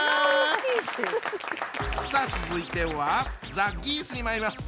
さあ続いてはザ・ギースにまいります。